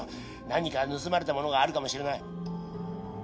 ☎何か盗まれたものがあるかもしれない。